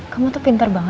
kamu tuh pintar banget